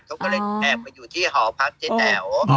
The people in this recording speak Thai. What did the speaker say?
ก็เลยแทนมาอยู่ที่หอพรรษเจ๋นแด๋ว